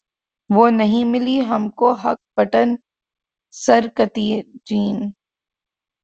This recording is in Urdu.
وہ نہیں ملی ہم کو ہک بٹن سرکتی جین